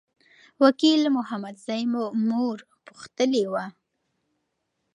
وکیل محمدزی مو مور پوښتلي وه.